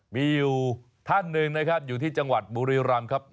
วิวท่านหนึ่งนะครับอยู่ที่จังหวัดบุรีรัมพ์ครับ